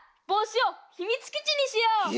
ぼうしをひみつきちにしよう。